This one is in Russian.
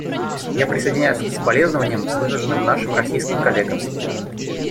Я присоединяюсь к соболезнованиям, выраженным нашим российским коллегам.